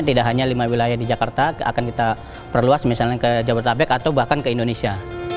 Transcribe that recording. tidak hanya lima wilayah di jakarta akan kita perluas misalnya ke jabodetabek atau bahkan ke indonesia